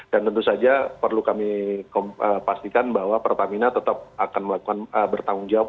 dan tentu saja perlu kami pastikan bahwa pertamina tetap akan bertanggung jawab